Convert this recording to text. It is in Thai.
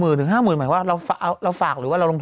อึกอึกอึกอึกอึกอึกอึกอึก